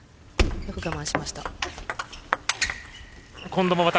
よく我慢しました。